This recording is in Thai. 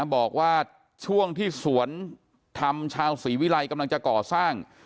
บอกว่าช่วงที่สวนธรรมชาวศรีวิรัยกำลังจะก่อสร้าง